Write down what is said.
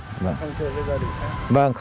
không chơi với gia đình khác